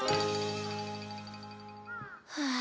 はあ。